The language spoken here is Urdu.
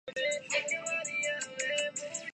فرشتے سراپاخیر مخلوق ہیں